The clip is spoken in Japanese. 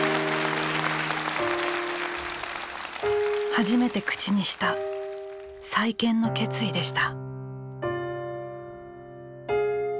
初めて口にした再建の決意でした。